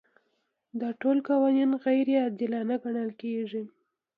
دا ټول قوانین غیر عادلانه ګڼل کیږي.